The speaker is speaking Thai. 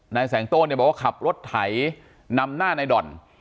นายแสงโต้เนี่ยบอกว่าขับรถไถนำหน้าในด่อน